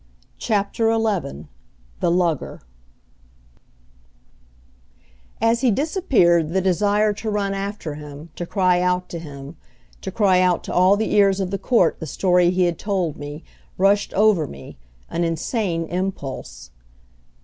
CHAPTER XI THE LUGGER As he disappeared the desire to run after him, to cry out to him, to cry out to all the ears of the court the story he had told me, rushed over me, an insane impulse.